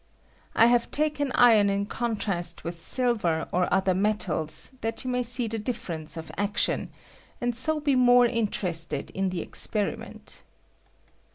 I have taken iron in contrast with silver or other metals, that you may see the difference of action, and 610 be more interested in the experiment.